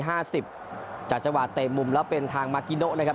จากจังหวะเตะมุมแล้วเป็นทางมากิโนะนะครับ